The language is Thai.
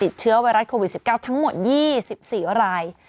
เชื้อไวรัสโควิด๑๙ทั้งหมด๒๔ราย